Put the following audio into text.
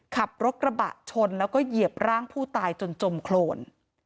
ขับรถกระบะชนแล้วก็เหยียบร่างผู้ตายจนจมโครน